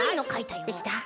できた。